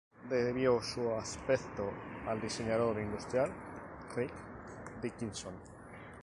Debió su distintivo aspecto al diseñador industrial Rick Dickinson.